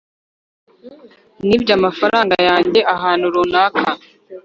nibye amafaranga yanjye ahantu runaka